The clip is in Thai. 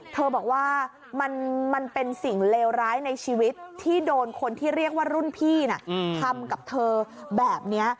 เธอบอกว่ามันเป็นสิ่งเลวร้ายในชีวิตที่โดนคนที่เรียกว่ารุ่นพี่น่ะทำกับเธอแบบนี้